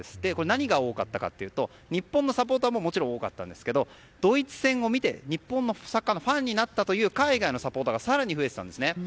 何が多かったかというと日本のサポーターももちろん多かったんですがドイツ戦を見て日本のサッカーファンになったという海外のサポーターが更に増えてたんです。